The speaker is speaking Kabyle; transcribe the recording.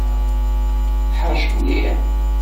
Teḥṛec mliḥ.